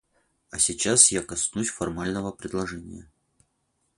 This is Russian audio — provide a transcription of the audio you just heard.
А сейчас я коснусь формального предложения.